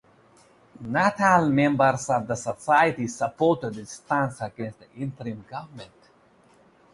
Not all members of the Society supported its stance against the interim government.